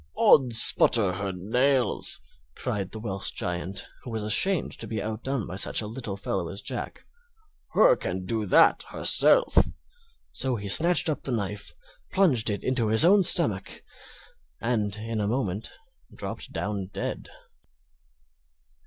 "Ods splutter hur nails!" cried the Welsh Giant, who was ashamed to be outdone by such a little fellow as Jack, "hur can do that hurself;" so he snatched up the knife, plunged it into his own stomach, and in a moment dropped down dead.